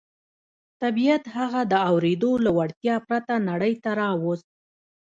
طبيعت هغه د اورېدو له وړتيا پرته نړۍ ته راووست.